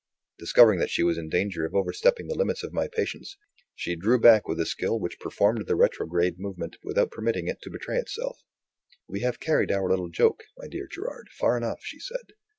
Discovering that she was in danger of overstepping the limits of my patience, she drew back with a skill which performed the retrograde movement without permitting it to betray itself. "We have carried our little joke, my dear Gerard, far enough," she said.